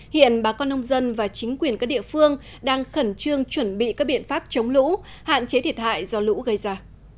hiện bà con nông dân và chính quyền các địa phương đang khẩn trương chuẩn bị các biện pháp chống lũ hạn chế thiệt hại do lũ gây ra